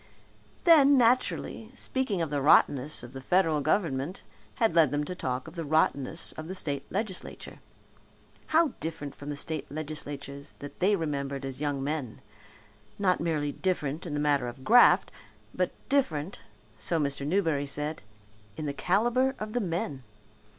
Then, naturally, speaking of the rottenness of the federal government had led them to talk of the rottenness of the state legislature. How different from the state legislatures that they remembered as young men! Not merely different in the matter of graft, but different, so Mr. Newberry said, in the calibre of the men.